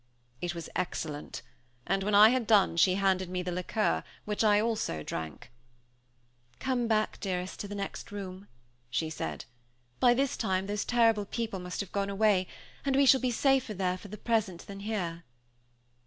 It was excellent; and when I had done she handed me the liqueur, which I also drank. "Come back, dearest, to the next room," she said. "By this time those terrible people must have gone away, and we shall be safer there, for the present, than here."